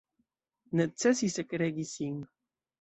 Necesis ekregi sin.